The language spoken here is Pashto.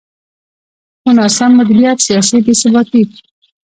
خو ناسم مدیریت، سیاسي بې ثباتي.